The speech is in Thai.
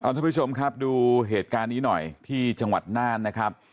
ทุกผู้ชมครับดูเหตุการณ์นี้หน่อยที่จังหวัดน่านนะครับ